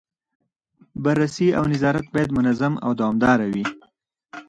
بررسي او نظارت باید منظم او دوامداره وي.